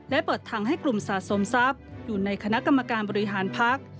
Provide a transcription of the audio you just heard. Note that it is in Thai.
และเปิดทางให้กลุ่มสะสมทรัพย์อยู่ในคณะกรรมการบริหารพัก